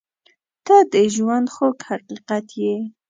• ته د ژونده خوږ حقیقت یې.